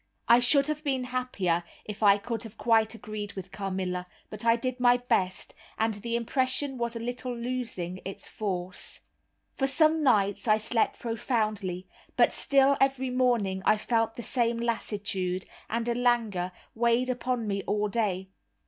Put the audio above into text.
I should have been happier if I could have quite agreed with Carmilla, but I did my best, and the impression was a little losing its force. For some nights I slept profoundly; but still every morning I felt the same lassitude, and a languor weighed upon me all day.